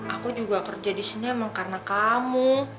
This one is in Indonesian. aku juga kerja di sini emang karena kamu